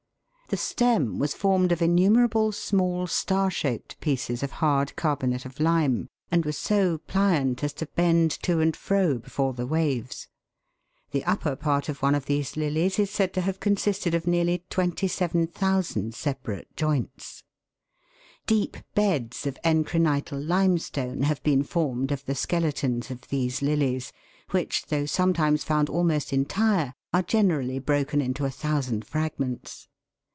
The stem was formed of innumerable small, star shaped pieces of hard carbonate of lime, and was so pliant as to bend to and fro before the waves. The upper part of one of these lilies is said to have consisted of nearly 27,000 separate joints. Deep beds of encrihital limestone have been formed of the skeletons of these lilies, which, though sometimes found almost entire, are generally broken into a thousand fragments.